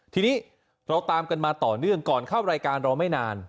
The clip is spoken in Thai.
ทีนี้เราตามกันมาต่อเนื่องก่อนเข้ารายการเราไม่นาน